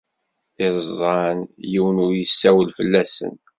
Iẓẓan yiwen ur yessawal fell-asen.